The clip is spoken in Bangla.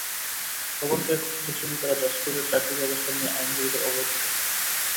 খবর পেয়ে ক্ষুব্ধ শ্রমিকেরা জজকোর্টের চারদিকে অবস্থান নিয়ে আইনজীবীদের অবরুদ্ধ করে রাখেন।